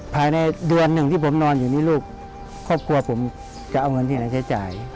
ภายในเดือนหนึ่งที่ผมนอนอยู่นี่ลูกครอบครัวผมจะเอาเงินที่ไหนใช้จ่าย